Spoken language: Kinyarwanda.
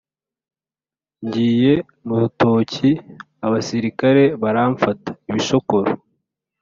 Ngiye mu rutoki abasirikare baramfata-Ibishokoro.